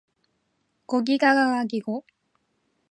ゴギガガガギゴ